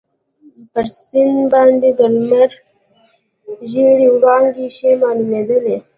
پر سیند باندي د لمر ژېړې وړانګې ښې معلومیدلې.